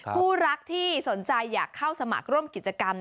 ผู้รักที่สนใจอยากเข้าสมัครร่วมกิจกรรม